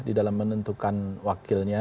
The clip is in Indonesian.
di dalam menentukan wakilnya